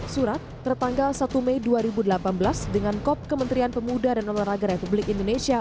surat tertanggal satu mei dua ribu delapan belas dengan kop kementerian pemuda dan olahraga republik indonesia